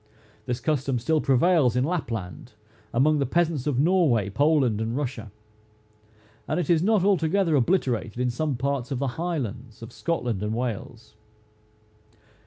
This custom still prevails in Lapland, among the peasants of Norway, Poland, and Russia; and it is not altogether obliterated in some parts of the highlands of Scotland and Wales.